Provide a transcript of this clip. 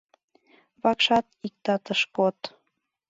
Вакшат иктат ыш код.